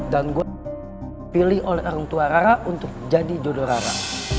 dan gue pilih oleh orang tua rara untuk jadi jodoh rara